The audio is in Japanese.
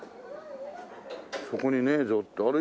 そこにねえぞってあれ？